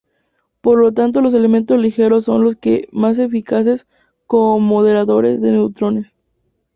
Por lo tanto los elementos ligeros son los más eficaces como moderadores de neutrones.